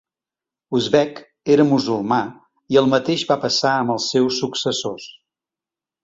Uzbek era musulmà i el mateix va passar amb els seus successors.